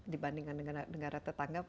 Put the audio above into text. dibandingkan negara tetangga